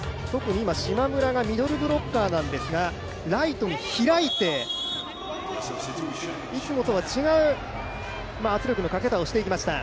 今、島村がミドルブロッカーなんですが、ライトに開いていつもとは違う圧力のかけ方をしていきました。